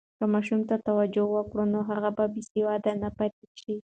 که ماشوم ته توجه وکړو، نو هغه به بې سواده نه پاتې شي.